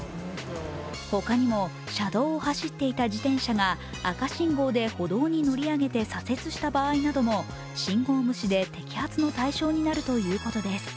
他にも、車道を走っていた自転車が赤信号で歩道に乗り上げて左折した場合なども信号無視で摘発の対象になるということです。